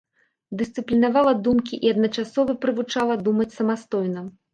Дысцыплінавала думкі і адначасова прывучала думаць самастойна.